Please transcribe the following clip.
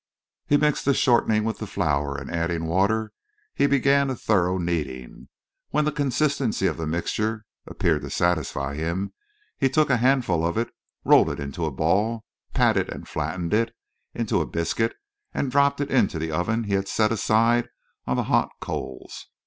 He mixed the shortening with the flour, and, adding water, he began a thorough kneading. When the consistency of the mixture appeared to satisfy him he took a handful of it, rolled it into a ball, patted and flattened it into a biscuit, and dropped it into the oven he had set aside on the hot coals.